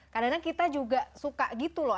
kadang kadang kita juga suka gitu loh